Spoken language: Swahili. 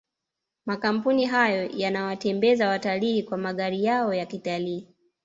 makampuni hayo yanawatembeza watalii kwa magari yao ya kitalii